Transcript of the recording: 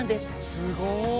すごい！